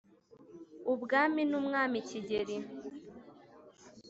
ubwami n'umwami kigeli